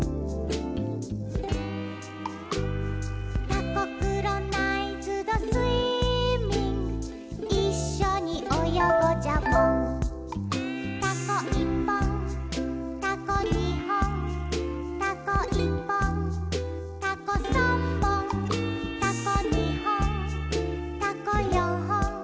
「タコクロナイズドスイミング」「いっしょにおよごジャボン」「タコいっぽん」「タコにほん」「タコいっぽん」「タコさんぼん」「タコにほん」「タコよんほん」